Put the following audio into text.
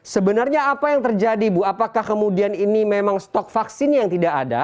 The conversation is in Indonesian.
sebenarnya apa yang terjadi bu apakah kemudian ini memang stok vaksin yang tidak ada